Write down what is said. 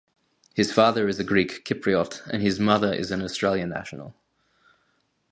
His father is a Greek Cypriot and his mother is an Australian national.